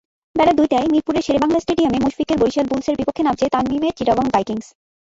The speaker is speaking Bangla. বেলা দুইটায় মিরপুর শেরেবাংলা স্টেডিয়ামে মুশফিকের বরিশাল বুলসের বিপক্ষে নামছে তামিমের চিটাগং ভাইকিংস।